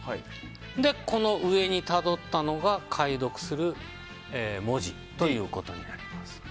で、この上にたどったのが解読する文字となります。